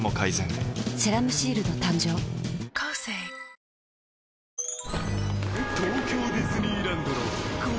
「セラムシールド」誕生あっ！